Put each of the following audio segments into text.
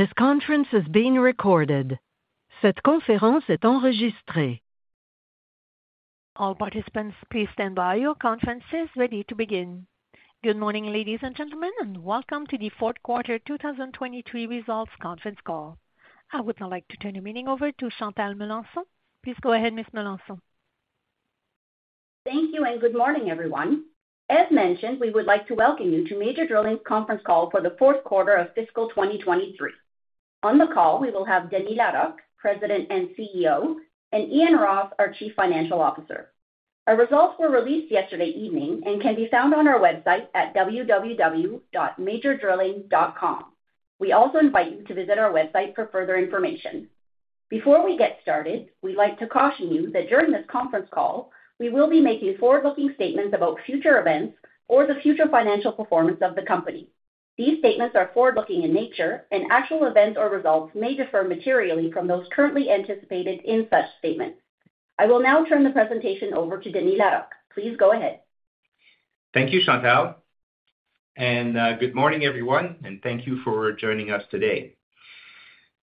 This conference is being recorded. Cette conférence est enregistrée. All participants, please stand by. Your conference is ready to begin. Good morning, ladies and gentlemen, and welcome to the fourth quarter, 2023 results conference call. I would now like to turn the meeting over to Chantal Melanson. Please go ahead, Ms. Melanson. Thank you and good morning, everyone. As mentioned, we would like to welcome you to Major Drilling's conference call for the fourth quarter of fiscal 2023. On the call, we will have Denis Larocque, President and CEO, and Ian Ross, our Chief Financial Officer. Our results were released yesterday evening and can be found on our website at www.majordrilling.com. We also invite you to visit our website for further information. Before we get started, we'd like to caution you that during this conference call, we will be making forward-looking statements about future events or the future financial performance of the company. These statements are forward-looking in nature, and actual events or results may differ materially from those currently anticipated in such statements. I will now turn the presentation over to Denis Larocque. Please go ahead. Thank you, Chantal, and good morning, everyone, and thank you for joining us today.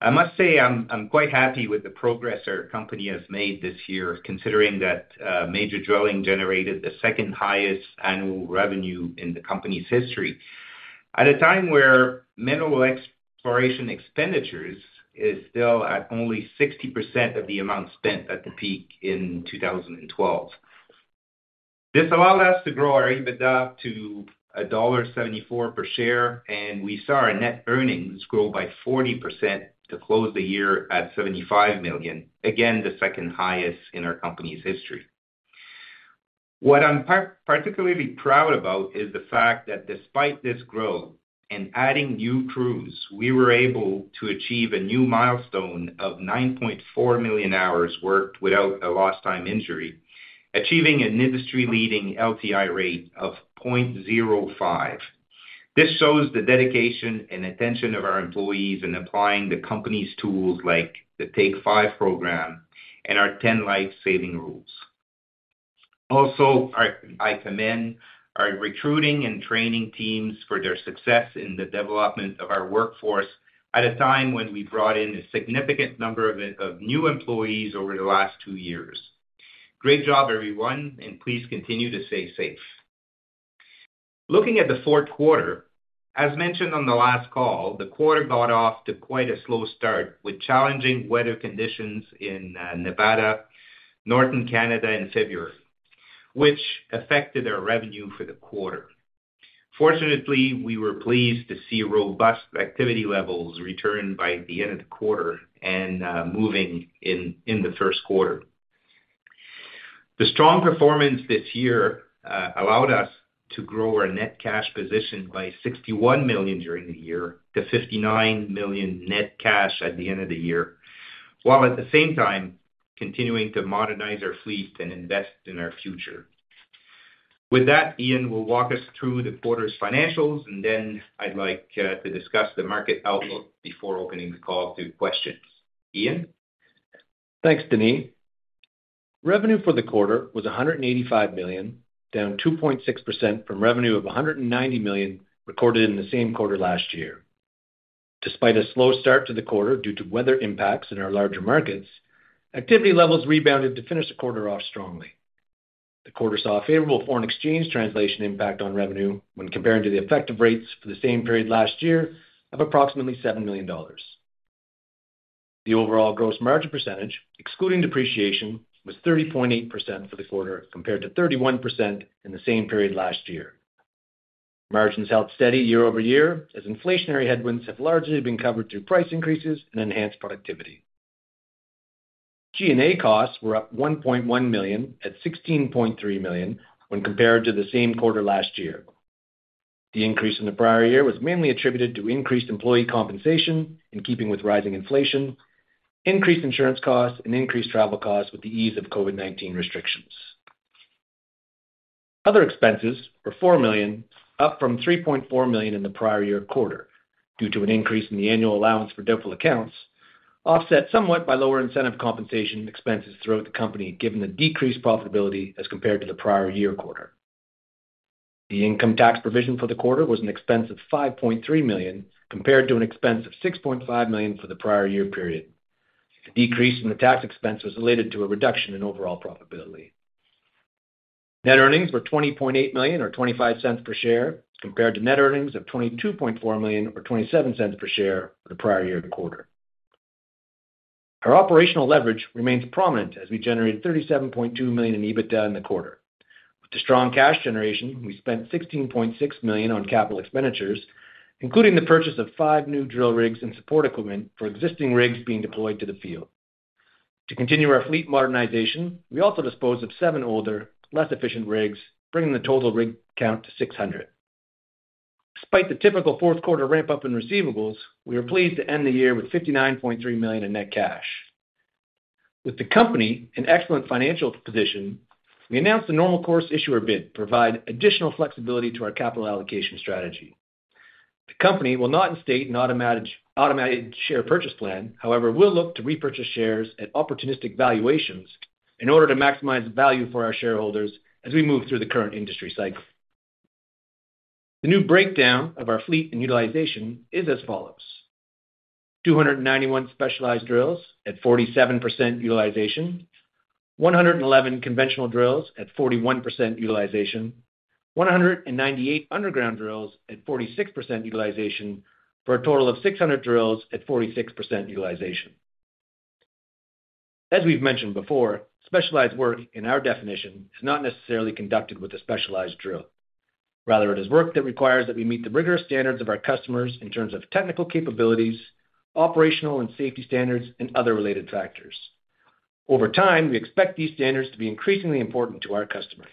I must say I'm quite happy with the progress our company has made this year, considering that Major Drilling generated the second highest annual revenue in the company's history. At a time where mineral exploration expenditures is still at only 60% of the amount spent at the peak in 2012. This allowed us to grow our EBITDA to $1.74 per share, and we saw our net earnings grow by 40% to close the year at $75 million. Again, the second highest in our company's history. What I'm particularly proud about is the fact that despite this growth and adding new crews, we were able to achieve a new milestone of 9.4 million hours worked without a lost time injury, achieving an industry-leading LTI rate of 0.05. This shows the dedication and attention of our employees in applying the company's tools, like the Take Five program and our Ten Life-Saving Rules. Also, I commend our recruiting and training teams for their success in the development of our workforce at a time when we brought in a significant number of new employees over the last two years. Great job, everyone, and please continue to stay safe. Looking at the fourth quarter, as mentioned on the last call, the quarter got off to quite a slow start, with challenging weather conditions in Nevada, northern Canada in February, which affected our revenue for the quarter. Fortunately, we were pleased to see robust activity levels return by the end of the quarter and moving in the first quarter. The strong performance this year allowed us to grow our net cash position by 61 million during the year to 59 million net cash at the end of the year, while at the same time continuing to modernize our fleet and invest in our future. With that, Ian Ross will walk us through the quarter's financials, and then I'd like to discuss the market outlook before opening the call to questions. Ian? Thanks, Denis. Revenue for the quarter was 185 million, down 2.6% from revenue of 190 million recorded in the same quarter last year. Despite a slow start to the quarter due to weather impacts in our larger markets, activity levels rebounded to finish the quarter off strongly. The quarter saw a favorable foreign exchange translation impact on revenue when comparing to the effective rates for the same period last year of approximately 7 million dollars. The overall gross margin percentage, excluding depreciation, was 30.8% for the quarter, compared to 31% in the same period last year. Margins held steady year-over-year, as inflationary headwinds have largely been covered through price increases and enhanced productivity. G&A costs were up 1.1 million at 16.3 million when compared to the same quarter last year. The increase in the prior year was mainly attributed to increased employee compensation, in keeping with rising inflation, increased insurance costs, and increased travel costs with the ease of COVID-19 restrictions. Other expenses were 4 million, up from 3.4 million in the prior year quarter, due to an increase in the annual allowance for doubtful accounts, offset somewhat by lower incentive compensation expenses throughout the company, given the decreased profitability as compared to the prior year quarter. The income tax provision for the quarter was an expense of 5.3 million, compared to an expense of 6.5 million for the prior year period. The decrease in the tax expense was related to a reduction in overall profitability. Net earnings were 20.8 million, or 0.25 per share, compared to net earnings of 22.4 million or 0.27 per share for the prior year quarter. Our operational leverage remains prominent as we generated 37.2 million in EBITDA in the quarter. With the strong cash generation, we spent 16.6 million on capital expenditures, including the purchase of five new drill rigs and support equipment for existing rigs being deployed to the field. To continue our fleet modernization, we also disposed of seven older, less efficient rigs, bringing the total rig count to 600. Despite the typical fourth quarter ramp-up in receivables, we are pleased to end the year with 59.3 million in net cash. With the company in excellent financial position, we announced a normal course issuer bid to provide additional flexibility to our capital allocation strategy. The company will not state an automated share purchase plan, however, we'll look to repurchase shares at opportunistic valuations in order to maximize value for our shareholders as we move through the current industry cycle. The new breakdown of our fleet and utilization is as follows: 291 specialized drills at 47% utilization, 111 conventional drills at 41% utilization, 198 underground drills at 46% utilization, for a total of 600 drills at 46% utilization. As we've mentioned before, specialized work, in our definition, is not necessarily conducted with a specialized drill. Rather, it is work that requires that we meet the rigorous standards of our customers in terms of technical capabilities, operational and safety standards, and other related factors. Over time, we expect these standards to be increasingly important to our customers.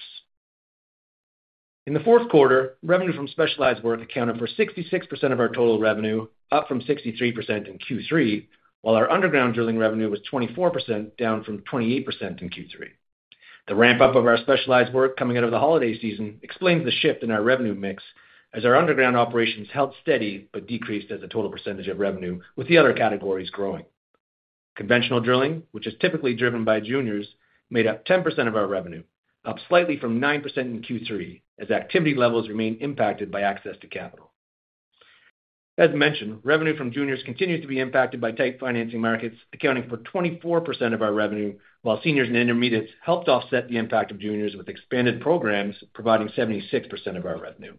In the fourth quarter, revenue from specialized work accounted for 66% of our total revenue, up from 63% in Q3, while our underground drilling revenue was 24%, down from 28% in Q3. The ramp-up of our specialized work coming out of the holiday season explains the shift in our revenue mix, as our underground operations held steady, but decreased as a total percentage of revenue, with the other categories growing. Conventional drilling, which is typically driven by juniors, made up 10% of our revenue, up slightly from 9% in Q3, as activity levels remain impacted by access to capital. As mentioned, revenue from juniors continues to be impacted by tight financing markets, accounting for 24% of our revenue, while seniors and intermediates helped offset the impact of juniors with expanded programs, providing 76% of our revenue.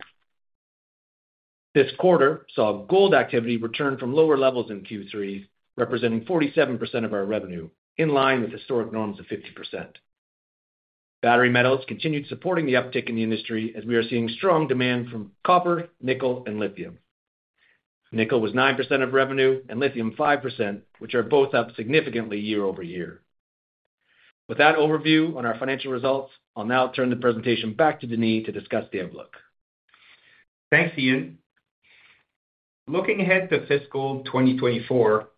This quarter saw gold activity return from lower levels in Q3, representing 47% of our revenue, in line with historic norms of 50%. Battery metals continued supporting the uptick in the industry as we are seeing strong demand from copper, nickel, and lithium. Nickel was 9% of revenue and lithium 5%, which are both up significantly year-over-year. With that overview on our financial results, I'll now turn the presentation back to Denis to discuss the outlook. Thanks, Ian. Looking ahead to fiscal 2024,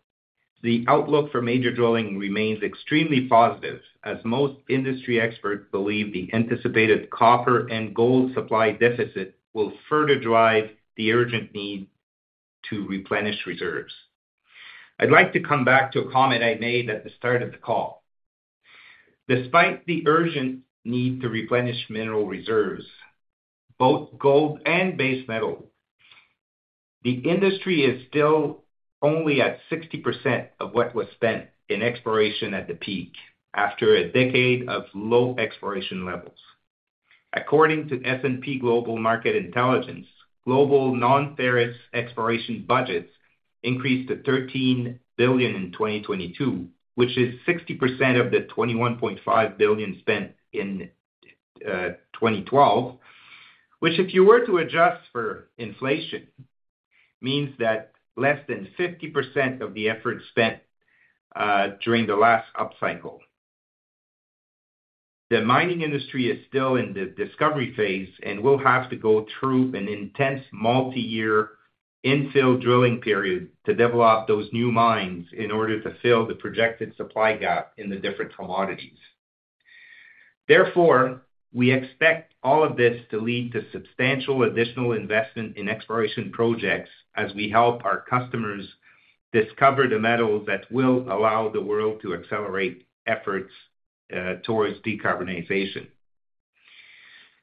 the outlook for Major Drilling remains extremely positive, as most industry experts believe the anticipated copper and gold supply deficit will further drive the urgent need to replenish reserves. I'd like to come back to a comment I made at the start of the call. Despite the urgent need to replenish mineral reserves, both gold and base metal, the industry is still only at 60% of what was spent in exploration at the peak, after a decade of low exploration levels. According to S&P Global Market Intelligence, global non-ferrous exploration budgets increased to $13 billion in 2022, which is 60% of the $21.5 billion spent in 2012. Which, if you were to adjust for inflation, means that less than 50% of the effort spent during the last upcycle. The mining industry is still in the discovery phase and will have to go through an intense multi-year infill drilling period to develop those new mines in order to fill the projected supply gap in the different commodities. Therefore, we expect all of this to lead to substantial additional investment in exploration projects as we help our customers discover the metals that will allow the world to accelerate efforts towards decarbonization.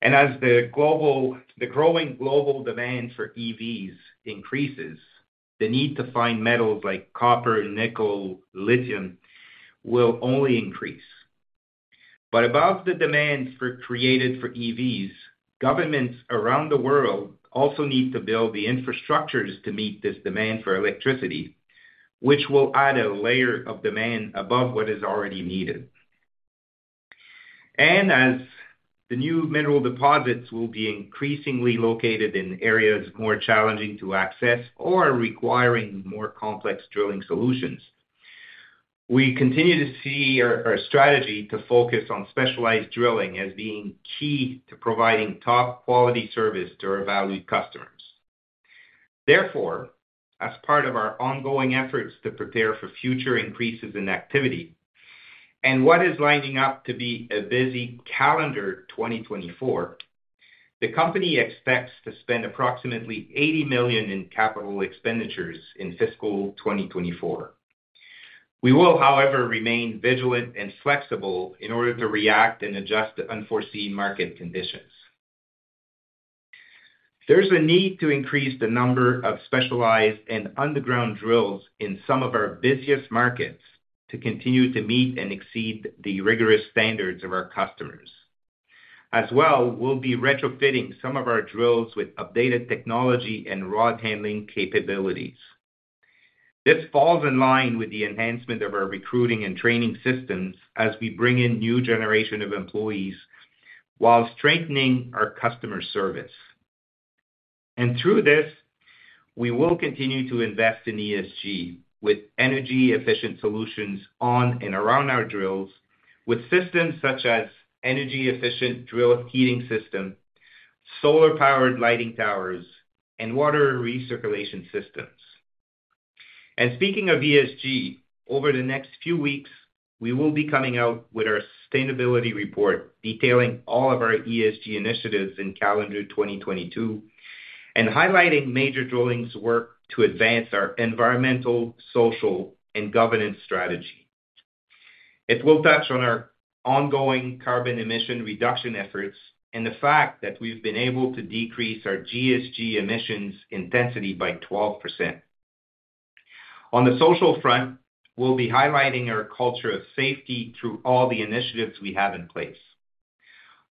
As the growing global demand for EVs increases, the need to find metals like copper, nickel, lithium, will only increase. Above the demands for created for EVs, governments around the world also need to build the infrastructures to meet this demand for electricity, which will add a layer of demand above what is already needed. As the new mineral deposits will be increasingly located in areas more challenging to access or requiring more complex drilling solutions, we continue to see our strategy to focus on specialized drilling as being key to providing top quality service to our valued customers. Therefore, as part of our ongoing efforts to prepare for future increases in activity, and what is lining up to be a busy calendar 2024, the company expects to spend approximately 80 million in capital expenditures in fiscal 2024. We will, however, remain vigilant and flexible in order to react and adjust to unforeseen market conditions. There's a need to increase the number of specialized and underground drills in some of our busiest markets to continue to meet and exceed the rigorous standards of our customers. As well, we'll be retrofitting some of our drills with updated technology and rod handling capabilities. This falls in line with the enhancement of our recruiting and training systems as we bring in new generation of employees, while strengthening our customer service. Through this, we will continue to invest in ESG, with energy-efficient solutions on and around our drills, with systems such as energy-efficient drill heating system, solar-powered lighting towers, and water recirculation systems. Speaking of ESG, over the next few weeks, we will be coming out with our sustainability report, detailing all of our ESG initiatives in calendar 2022, and highlighting Major Drilling's work to advance our environmental, social, and governance strategy. It will touch on our ongoing carbon emission reduction efforts and the fact that we've been able to decrease our GHG emissions intensity by 12%. On the social front, we'll be highlighting our culture of safety through all the initiatives we have in place.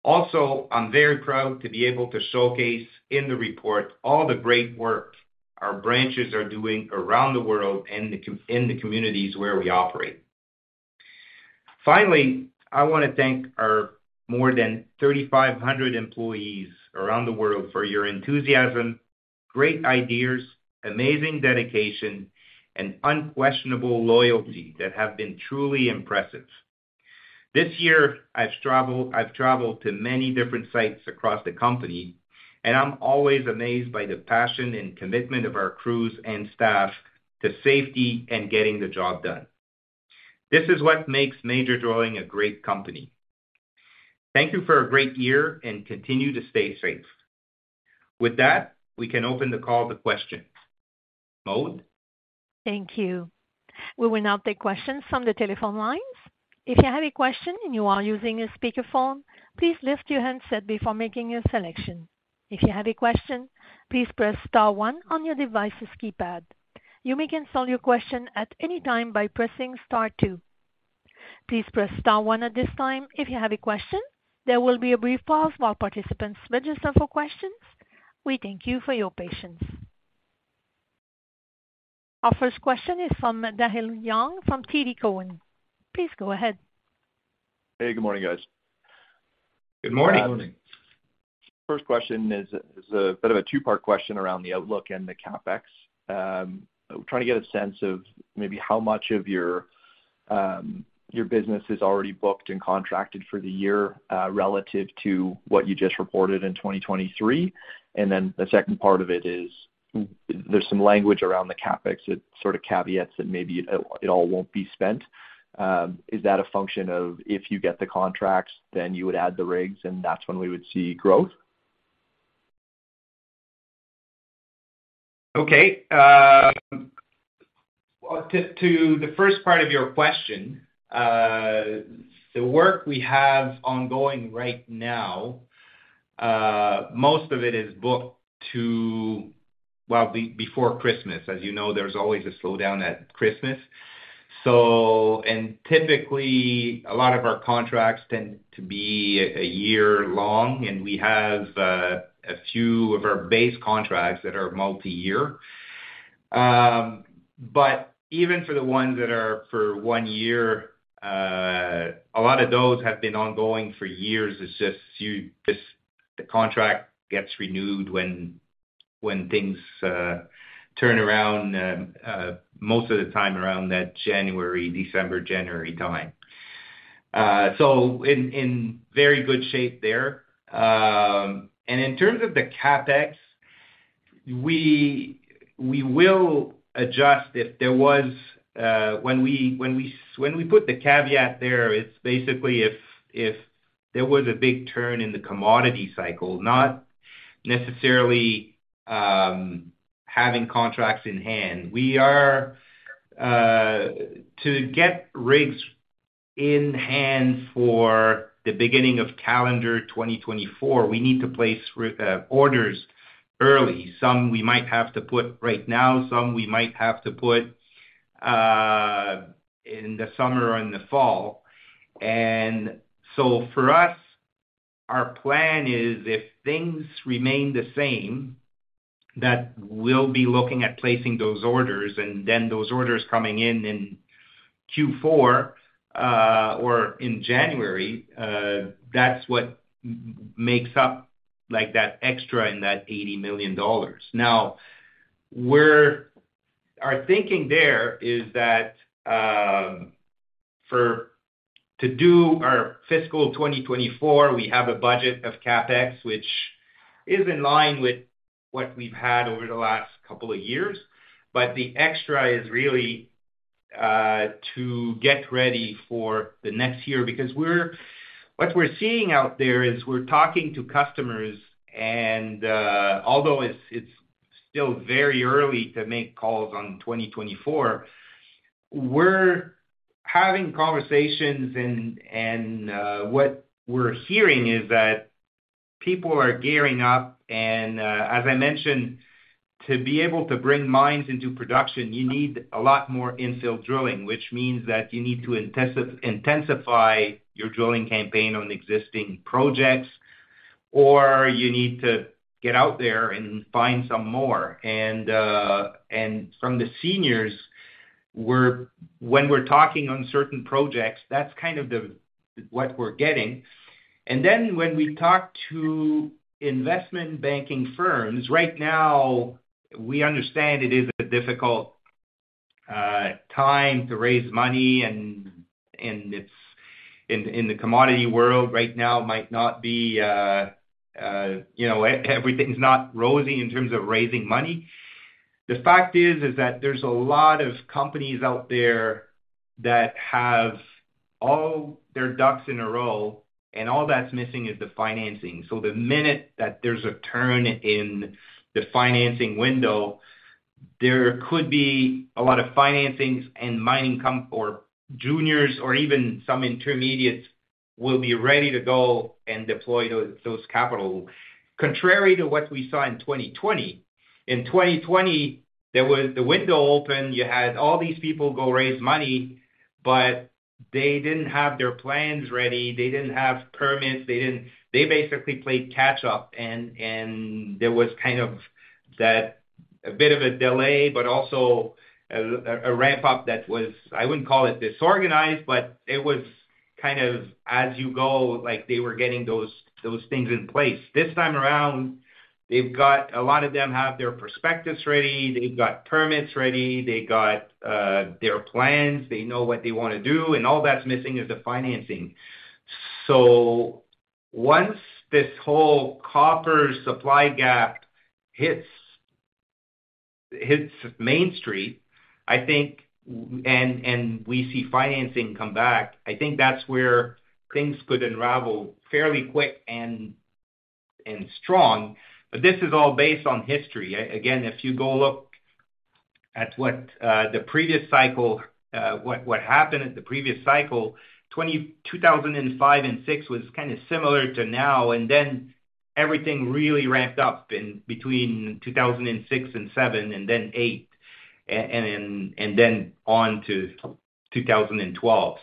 I'm very proud to be able to showcase in the report all the great work our branches are doing around the world in the communities where we operate. I want to thank our more than 3,500 employees around the world for your enthusiasm, great ideas, amazing dedication, and unquestionable loyalty that have been truly impressive. This year, I've traveled to many different sites across the company, and I'm always amazed by the passion and commitment of our crews and staff to safety and getting the job done. This is what makes Major Drilling a great company. Thank you for a great year, and continue to stay safe. With that, we can open the call to questions. Maud? Thank you. We will now take questions from the telephone lines. If you have a question and you are using a speakerphone, please lift your handset before making your selection. If you have a question, please press star one on your device's keypad. You may cancel your question at any time by pressing star two. Please press star one at this time if you have a question. There will be a brief pause while participants register for questions. We thank you for your patience. Our first question is from Daniel Young, from TD Cowen. Please go ahead. Hey, good morning, guys. Good morning. Good morning. First question is a bit of a two-part question around the outlook and the CapEx. Trying to get a sense of maybe how much of your business is already booked and contracted for the year, relative to what you just reported in 2023. The second part of it is, there's some language around the CapEx, it sort of caveats that maybe it all won't be spent. Is that a function of if you get the contracts, then you would add the rigs, and that's when we would see growth? Okay. Well, to the first part of your question, the work we have ongoing right now, most of it is booked to... well, before Christmas. As you know, there's always a slowdown at Christmas. Typically, a lot of our contracts tend to be a year long, and we have a few of our base contracts that are multi-year. Even for the ones that are for one year, a lot of those have been ongoing for years. It's just the contract gets renewed when things turn around, most of the time around that January, December, January time. In very good shape there. In terms of the CapEx, we will adjust if there was when we put the caveat there, it's basically if there was a big turn in the commodity cycle, not necessarily having contracts in hand. We are to get rigs in hand for the beginning of calendar 2024, we need to place orders early. Some we might have to put right now, some we might have to put in the summer or in the fall. For us, our plan is if things remain the same, that we'll be looking at placing those orders, and then those orders coming in in Q4, or in January, that's what makes up, like, that extra in that $80 million. Our thinking there is that for to do our fiscal 2024, we have a budget of CapEx, which is in line with what we've had over the last couple of years. The extra is really to get ready for the next year, because what we're seeing out there is we're talking to customers, although it's still very early to make calls on 2024, we're having conversations, and what we're hearing is that people are gearing up. As I mentioned, to be able to bring mines into production, you need a lot more infill drilling, which means that you need to intensify your drilling campaign on existing projects, or you need to get out there and find some more. From the seniors, when we're talking on certain projects, that's kind of the, what we're getting. When we talk to investment banking firms, right now, we understand it is a difficult time to raise money, and it's in the commodity world right now might not be, you know, everything's not rosy in terms of raising money. The fact is that there's a lot of companies out there that have all their ducks in a row, and all that's missing is the financing. The minute that there's a turn in the financing window, there could be a lot of financings and mining or juniors, or even some intermediates, will be ready to go and deploy those capital. Contrary to what we saw in 2020, in 2020, there was the window open. You had all these people go raise money, but they didn't have their plans ready, they didn't have permits, they didn't they basically played catch up, and there was kind of that, a bit of a delay, but also a ramp up that was, I wouldn't call it disorganized, but it was kind of as you go, like, they were getting those things in place. This time around, they've got a lot of them have their prospectus ready, they've got permits ready, they got their plans, they know what they wanna do, and all that's missing is the financing. Once this whole copper supply gap hits Main Street, I think, and we see financing come back, I think that's where things could unravel fairly quick and strong. This is all based on history. Again, if you go look at what happened at the previous cycle, 2005 and 2006 was kind of similar to now, and then everything really ramped up in between 2006 and 2007, and then 2008, and then on to 2012.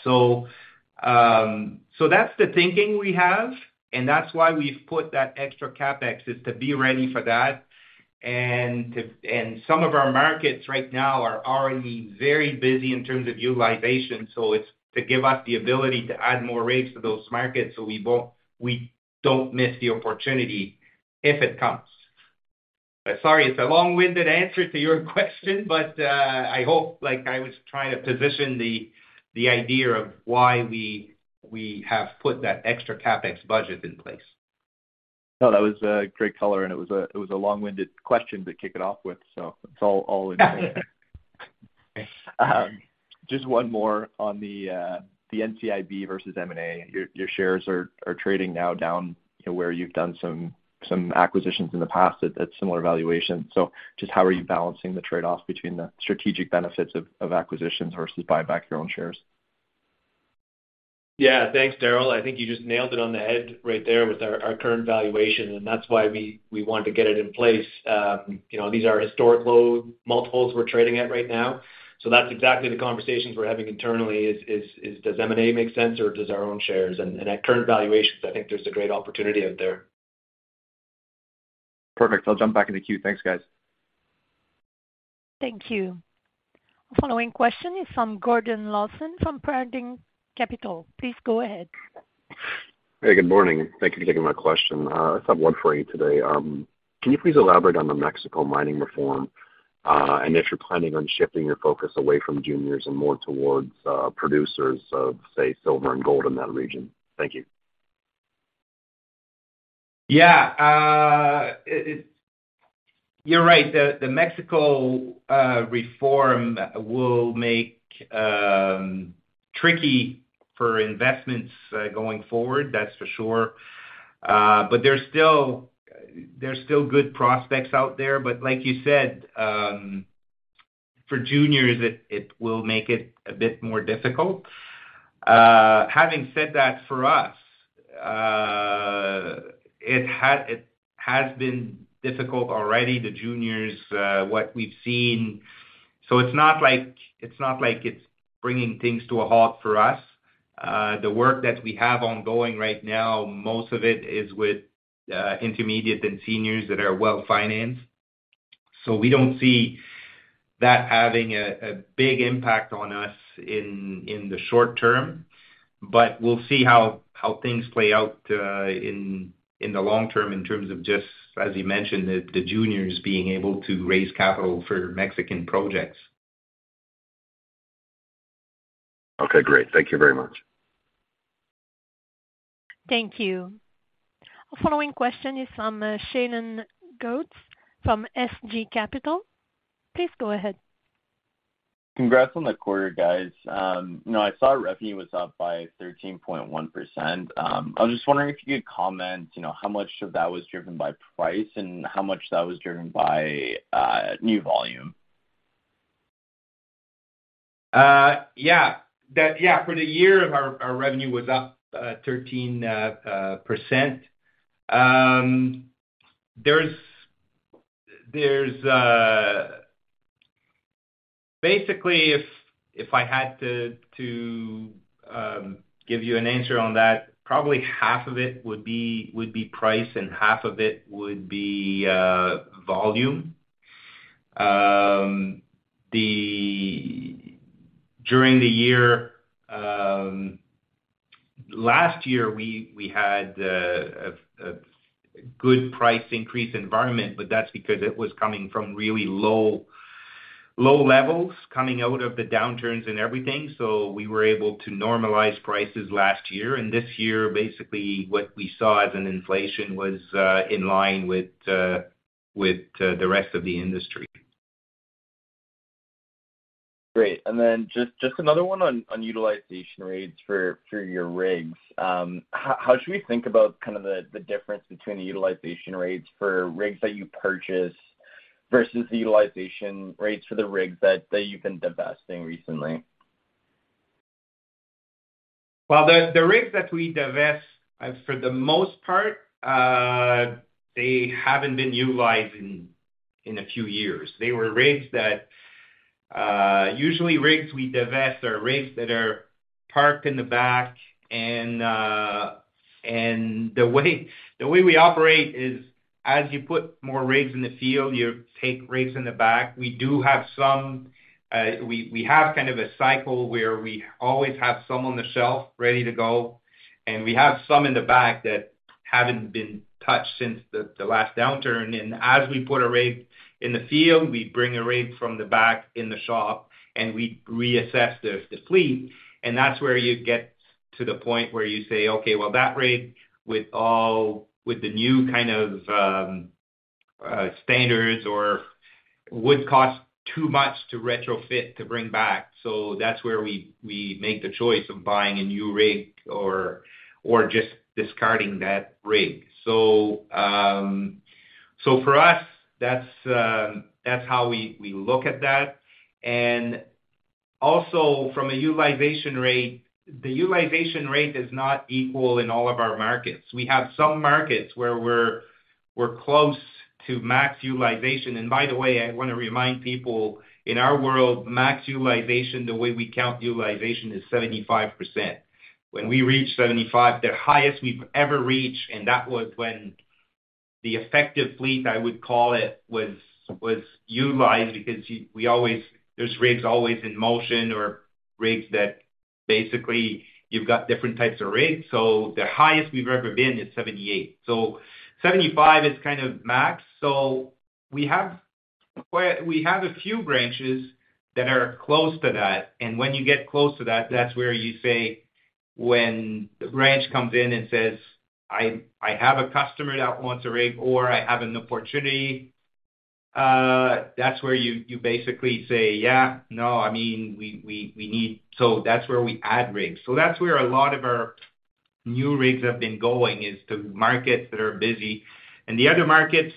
That's the thinking we have, and that's why we've put that extra CapEx, is to be ready for that. And some of our markets right now are already very busy in terms of utilization, so it's to give us the ability to add more rigs to those markets, so we don't miss the opportunity if it comes. Sorry, it's a long-winded answer to your question, but, I hope, like I was trying to position the idea of why we have put that extra CapEx budget in place. No, that was a great color, and it was a, it was a long-winded question to kick it off with, so it's all in. Just one more on the NCIB versus M&A. Your shares are trading now down, you know, where you've done some acquisitions in the past at similar valuations. Just how are you balancing the trade-offs between the strategic benefits of acquisitions versus buyback your own shares? Yeah, thanks, Daniel. I think you just nailed it on the head right there with our current valuation, and that's why we want to get it in place. You know, these are historic low multiples we're trading at right now. That's exactly the conversations we're having internally, is: Does M&A make sense, or does our own shares? At current valuations, I think there's a great opportunity out there. Perfect. I'll jump back in the queue. Thanks, guys. Thank you. The following question is from Gordon Lawson, from Paradigm Capital. Please go ahead. Hey, good morning. Thank Thank you for taking my question. I just have one for you today. Can you please elaborate on the Mexico mining reform, and if you're planning on shifting your focus away from juniors and more towards producers of, say, silver and gold in that region? Thank you. Yeah. You're right, the Mexico reform will make tricky for investments going forward, that's for sure. There's still good prospects out there. Like you said, for juniors, it will make it a bit more difficult. Having said that, for us, it has been difficult already, the juniors, what we've seen, so it's not like, it's not like it's bringing things to a halt for us. The work that we have ongoing right now, most of it is with intermediate and seniors that are well-financed. We don't see that having a big impact on us in the short term, but we'll see how things play out in the long term, in terms of just, as you mentioned, the juniors being able to raise capital for Mexican projects. Okay, great. Thank you very much. Thank you. The following question is from Shailen Gote, from Stonegate Capital. Please go ahead. Congrats on the quarter, guys. you know, I saw revenue was up by 13.1%. I was just wondering if you could comment, you know, how much of that was driven by price and how much that was driven by new volume. Yeah, that... Yeah, for the year, our revenue was up, 13%. Basically, if I had to give you an answer on that, probably half of it would be price, and half of it would be volume. During the year, last year, we had a good price increase environment, but that's because it was coming from really low levels, coming out of the downturns and everything. We were able to normalize prices last year, and this year, basically, what we saw as an inflation was in line with the rest of the industry. Great. Just another one on utilization rates for your rigs. How should we think about kind of the difference between the utilization rates for rigs that you purchase versus the utilization rates for the rigs that you've been divesting recently? Well, the rigs that we divest, for the most part, they haven't been utilized in a few years. They were rigs that usually, rigs we divest are rigs that are parked in the back and the way we operate is, as you put more rigs in the field, you take rigs in the back. We do have some, we have kind of a cycle where we always have some on the shelf ready to go, and we have some in the back that haven't been touched since the last downturn. As we put a rig in the field, we bring a rig from the back in the shop, and we reassess the fleet, and that's where you get to the point where you say: Okay, well, that rig with the new kind of standards or would cost too much to retrofit to bring back. That's where we make the choice of buying a new rig or just discarding that rig. For us, that's how we look at that. Also, from a utilization rate, the utilization rate is not equal in all of our markets. We have some markets where we're close to max utilization. By the way, I want to remind people, in our world, max utilization, the way we count utilization, is 75%. When we reach 75, the highest we've ever reached, and that was when the effective fleet, I would call it, was utilized because we always, there's rigs always in motion or rigs that basically you've got different types of rigs. The highest we've ever been is 78. 75 is kind of max. We have quite, we have a few branches that are close to that, and when you get close to that's where you say, when the branch comes in and says, "I have a customer that wants a rig," or, "I have an opportunity," that's where you basically say, "Yeah, no, I mean, we need..." That's where we add rigs. That's where a lot of our new rigs have been going, is to markets that are busy. In the other markets,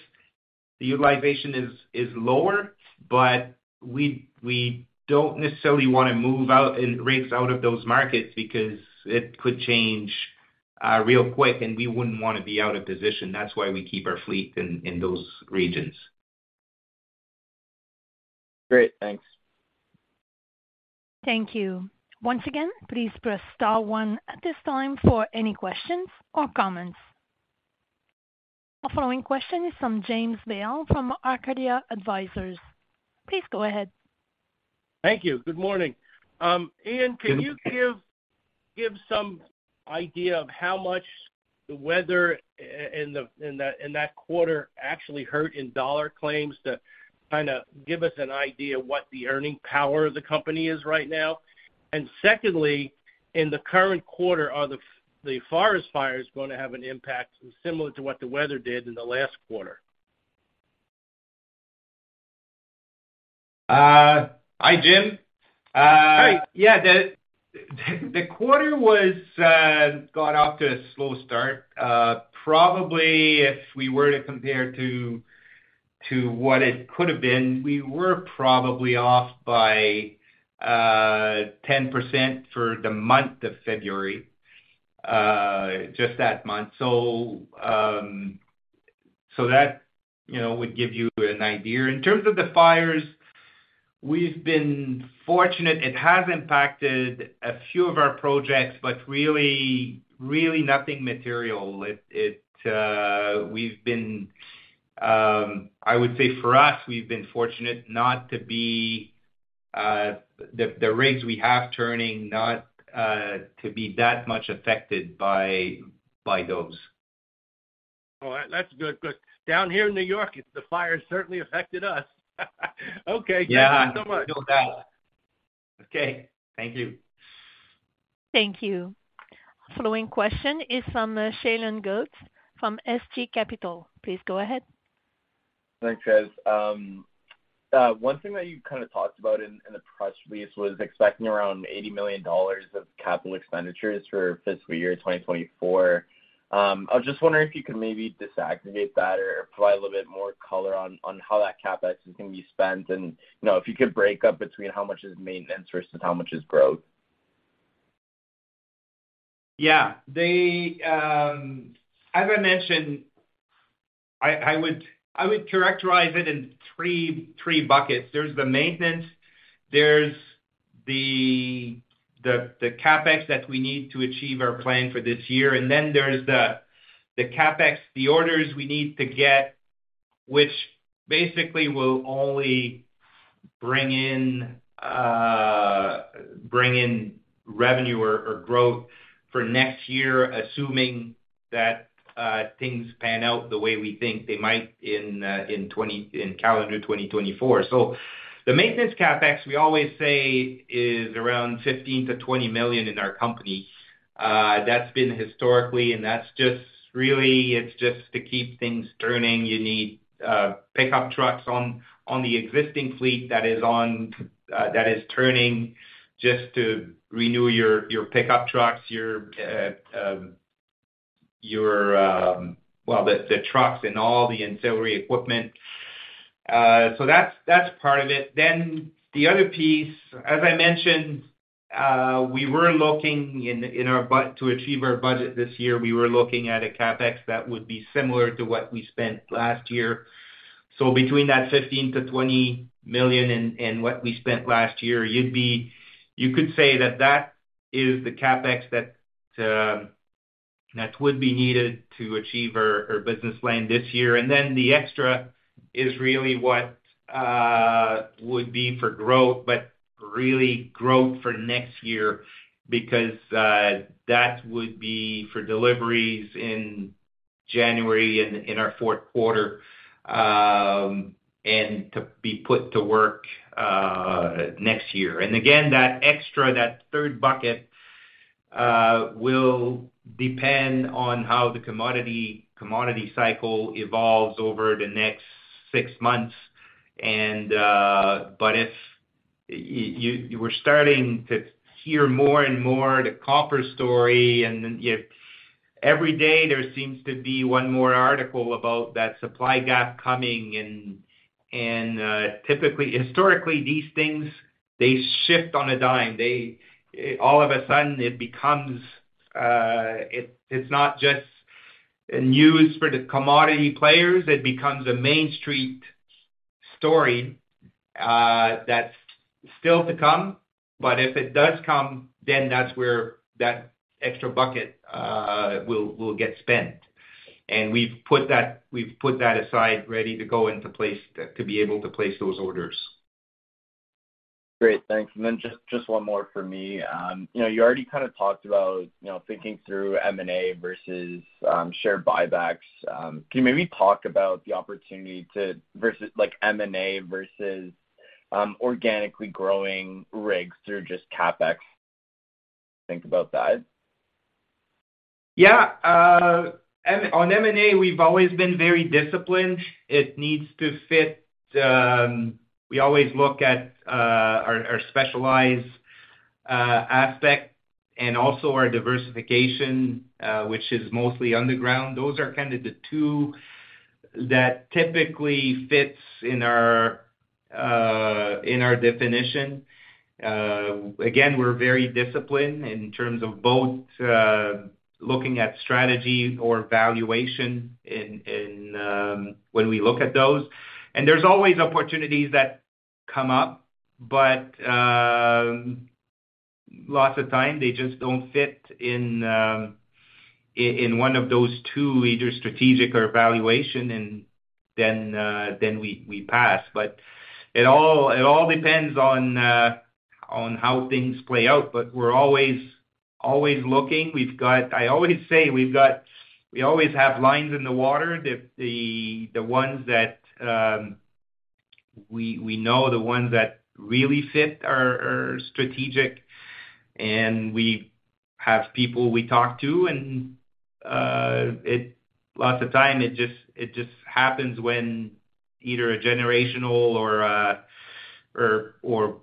the utilization is lower. We don't necessarily want to move out, rigs out of those markets because it could change real quick, and we wouldn't want to be out of position. That's why we keep our fleet in those regions. Great. Thanks. Thank you. Once again, please press star one at this time for any questions or comments. The following question is from James Vail, from Arcadia Advisors. Please go ahead. Thank you. Good morning. Ian, can you give some idea of how much the weather in the, in that, in that quarter actually hurt in dollar claims to kind of give us an idea of what the earning power of the company is right now? Secondly, in the current quarter, are the forest fires going to have an impact similar to what the weather did in the last quarter? Hi, Jim. Hi. Yeah, the quarter was, got off to a slow start. Probably if we were to compare to what it could have been, we were probably off by 10% for the month of February, just that month. That, you know, would give you an idea. In terms of the fires, we've been fortunate. It has impacted a few of our projects, but really nothing material. It, we've been... I would say for us, we've been fortunate not to be, the rigs we have turning, not, to be that much affected by those. All right. That's good. Down here in New York, the fires certainly affected us. Okay, thanks so much. Yeah, no doubt. Okay. Thank you. Thank you. The following question is from Shailen Gote, from Stonegate Capital. Please go ahead. Thanks, guys. One thing that you kind of talked about in the press release was expecting around 80 million dollars of capital expenditures for fiscal year 2024. I was just wondering if you could maybe disaggregate that or provide a little bit more color on how that CapEx is going to be spent, and, you know, if you could break up between how much is maintenance versus how much is growth? Yeah. They, as I mentioned, I would characterize it in three buckets. There's the maintenance, there's the CapEx that we need to achieve our plan for this year, and then there's the CapEx, the orders we need to get, which basically will only bring in revenue or growth for next year, assuming that things pan out the way we think they might in calendar 2024. The maintenance CapEx, we always say, is around 15 million to 20 million in our company. That's been historically, and that's just really, it's just to keep things turning. You need pickup trucks on the existing fleet that is turning just to renew your pickup trucks, your... Well, the trucks and all the ancillary equipment. That's part of it. The other piece, as I mentioned, we were looking to achieve our budget this year, we were looking at a CapEx that would be similar to what we spent last year. Between that 15 million-20 million and what we spent last year, You could say that that is the CapEx that would be needed to achieve our business plan this year. The extra is really what would be for growth, but really growth for next year, because that would be for deliveries in January, in our fourth quarter, and to be put to work next year. Again, that extra, that third bucket, will depend on how the commodity cycle evolves over the next six months. If, you were starting to hear more and more the copper story, and then, yet every day there seems to be one more article about that supply gap coming in. Typically, historically, these things, they shift on a dime. They, all of a sudden it becomes, it's not just news for the commodity players, it becomes a Main Street story, that's still to come. If it does come, then that's where that extra bucket, will get spent. We've put that, we've put that aside, ready to go into place, to be able to place those orders. Great, thanks. Then just one more for me. You know, you already kind of talked about, you know, thinking through M&A versus share buybacks. Can you maybe talk about the opportunity to versus, like, M&A versus organically growing rigs through just CapEx? Think about that. Yeah, on M&A, we've always been very disciplined. It needs to fit, we always look at our specialized aspect and also our diversification, which is mostly underground. Those are kind of the two that typically fits in our definition. Again, we're very disciplined in terms of both looking at strategy or valuation in when we look at those. There's always opportunities that come up, but lots of time, they just don't fit in one of those two, either strategic or valuation, then we pass. It all depends on how things play out. We're always looking. I always say we always have lines in the water. The ones that we know, the ones that really fit are strategic, and we have people we talk to. It lots of time, it just happens when either a generational or a, or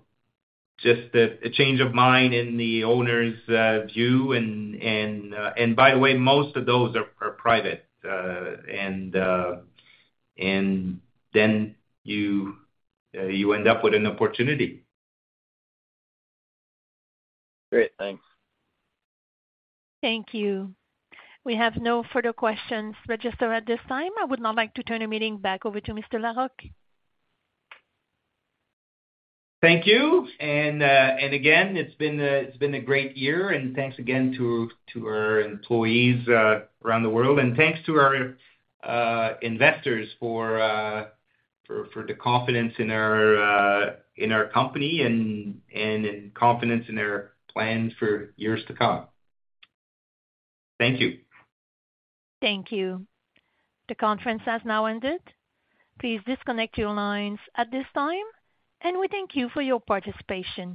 just a change of mind in the owner's view. By the way, most of those are private. Then you end up with an opportunity. Great, thanks. Thank you. We have no further questions registered at this time. I would now like to turn the meeting back over to Mr. Larocque. Thank you. Again, it's been a great year, and thanks again to our employees around the world. Thanks to our investors for the confidence in our company and in confidence in our plans for years to come. Thank you. Thank you. The conference has now ended. Please disconnect your lines at this time, and we thank you for your participation.